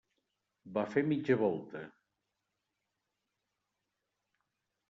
Va fer mitja volta.